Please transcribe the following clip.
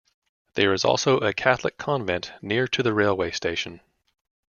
There is also a Catholic convent near to the railway station.